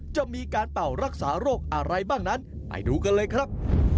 จะมีการเป่ารักษาโรคอะไรบ้างนั้นไปดูกันเลยครับ